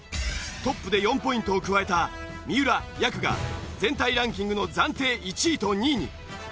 トップで４ポイントを加えた三浦やくが全体ランキングの暫定１位と２位に。